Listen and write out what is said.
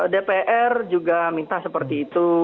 dpr juga minta seperti itu